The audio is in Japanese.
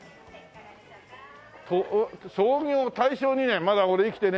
「創業大正二年」まだ俺生きてねえな。